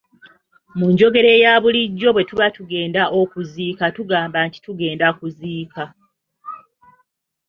Mu njogera eya bulijjo bwe tuba tugenda okuziika tugamba nti tugenda kuziika.